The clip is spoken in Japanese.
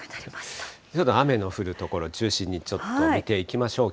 ちょっと雨の降る所中心にちょっと見ていきましょう。